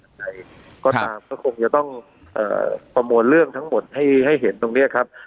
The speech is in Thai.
ใครก็ตามก็คงจะต้องประมวลเรื่องทั้งหมดให้เห็นตรงนี้ครับ